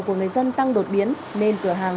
của người dân tăng đột biến nên cửa hàng